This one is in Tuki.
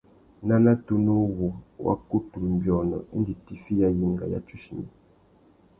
Nana tunu wu wá kutu nʼbiônô indi tifiya yenga ya tsuchimi.